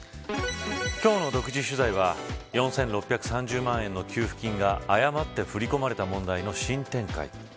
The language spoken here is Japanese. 今日の独自取材は４６３０万円の給付金が誤って振り込まれた問題の新展開。